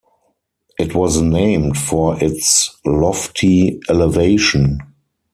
It was named for its lofty elevation.